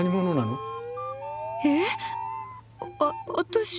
えっ私？